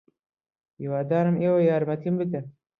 ھیوادارم ئێوە یارمەتیم بدەن.